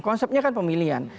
konsepnya kan pemilihan